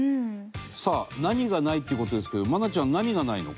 さあ何がないっていう事ですけど愛菜ちゃん、何がないの？